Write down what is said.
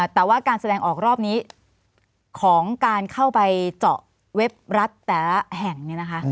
แต่ว่าการแสดงออกรอบนี้ของการเข้าไปเจาะเว็บรัฐแต่ละแห่งเนี่ยนะคะ